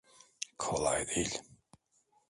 Kolay değil.